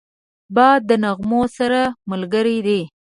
باد د نغمو سره ملګری دی